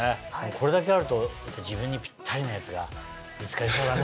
これだけあると自分にピッタリのやつが見つかりそうだね。